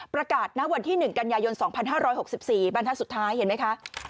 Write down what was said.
ณวันที่๑กันยายน๒๕๖๔บรรทัศน์สุดท้ายเห็นไหมคะ